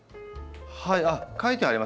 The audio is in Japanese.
あっ書いてありますね